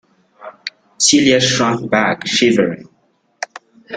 Celia shrank back, shivering.